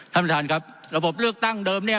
ท่านประธานครับระบบเลือกตั้งเดิมเนี่ย